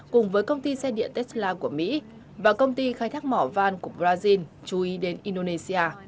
cùng với công ty xe điện tesla của mỹ và công ty khai thác mỏ van của brazil chú ý đến indonesia